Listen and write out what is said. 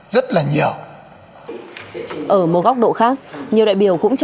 sẽ làm việc hàng tuần